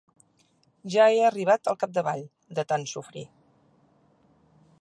Ja he arribat al capdavall, de tant sofrir.